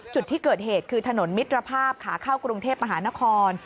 จุดที่เกิดเหตุคือถนนมิตรภาพขาเข้ากรุงเทพมหานคร